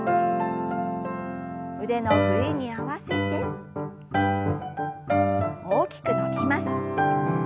腕の振りに合わせて大きく伸びます。